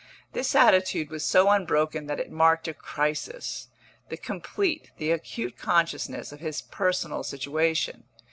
This attitude was so unbroken that it marked a crisis the complete, the acute consciousness of his personal situation.